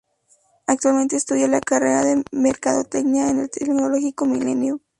Actualmente estudia la carrera de Mercadotecnia en el Tecnológico Milenio.